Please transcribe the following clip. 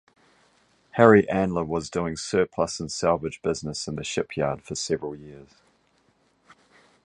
Harry Andler was doing surplus and salvage business in the shipyard for several years.